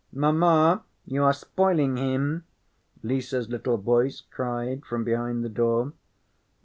"Mamma, you are spoiling him," Lise's little voice cried from behind the door.